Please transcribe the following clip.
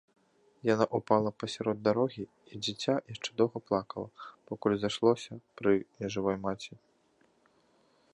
Яна ўпала пасярод дарогі, і дзіця яшчэ доўга плакала, пакуль зайшлося пры нежывой маці.